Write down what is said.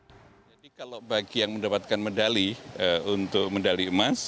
jadi kalau bagi yang mendapatkan medali untuk medali emas